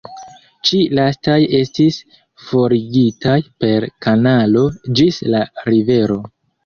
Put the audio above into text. Ĉi lastaj estis forigitaj per kanalo ĝis la rivero.